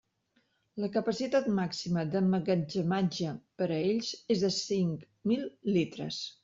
La capacitat màxima d'emmagatzematge per a ells és de cinc mil litres.